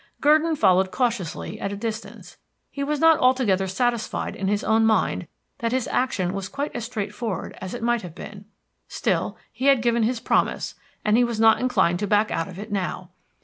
Gurdon followed cautiously at a distance. He was not altogether satisfied in his own mind that his action was quite as straightforward as it might have been. Still, he had given his promise, and he was not inclined to back out of it now.